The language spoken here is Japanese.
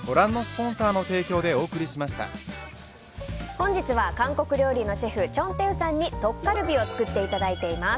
本日は、韓国料理のシェフチョン・テウさんにトッカルビを作っていただいています。